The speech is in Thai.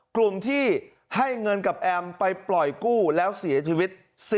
กลุ่มที่ให้เงินกับแอมไปปล่อยกู้แล้วเสียชีวิต